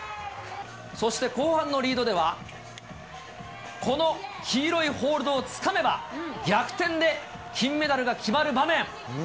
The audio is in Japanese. そして後半のリードでは、この黄色いホールドをつかめば、逆転で金メダルが決まる場面。